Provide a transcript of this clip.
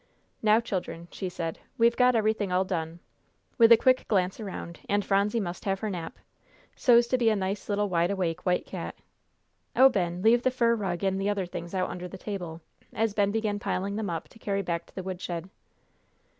"Now, children," she said, "we've got everything all done," with a quick glance around, "and Phronsie must have her nap, so's to be a nice little wide awake white cat. Oh, Ben, leave the fur rug and the other things out under the table," as Ben began piling them up to carry back to the woodshed.